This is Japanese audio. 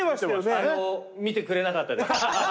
あの見てくれなかったです。